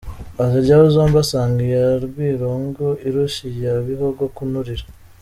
Aziryaho zombi asanga iya Rwirungu irusha iya Bihogo kunurira.